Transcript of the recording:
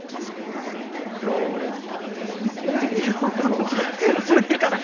老後ぐらいに。